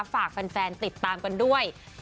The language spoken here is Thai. ฝากแฟนติดตามกันด้วย